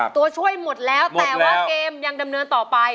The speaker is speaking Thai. ตัวช่วยหมดแล้วแต่ว่าเกมยังดำเนินต่อไป